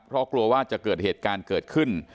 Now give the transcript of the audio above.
เพราะกลัวว่าจะเกิดเหตุการณ์เกิดขึ้น